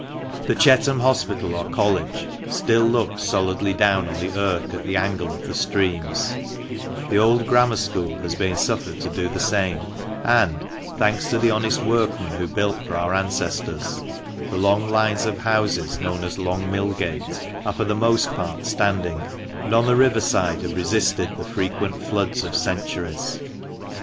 The Chetham Hospital or College still looks solidly down on the Irk at the angle of the streams ; the old Grammar School has been suffered to do the same ; and — thanks to the honest workmen who built for our ancestors — the long lines of houses known as Long Millgate are for the most part standing, and on the river side have resisted the frequent floods of centuries.